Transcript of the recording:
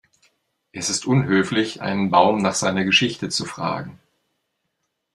Es ist unhöflich, einen Baum nach seiner Geschichte zu fragen.